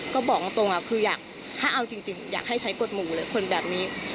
ก็บอกตรงคืออยากถ้าเอาจริงอยากให้ใช้กฎหมู่เลยคนแบบนี้